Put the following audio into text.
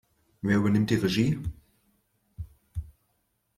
Wer übernimmt die Regie?